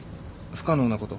不可能なこと？